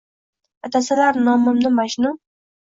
Atasalar nomimni Majnun?